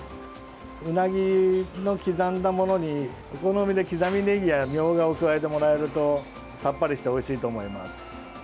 うなぎの刻んだものにお好みで刻みねぎやみょうがを加えてもらえるとさっぱりしておいしいと思います。